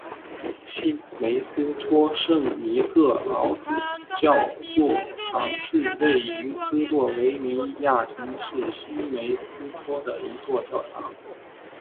新梅斯托圣尼各老主教座堂是位于斯洛维尼亚城市新梅斯托的一座教堂。